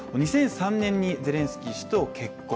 ２００３年にゼレンスキー氏と結婚。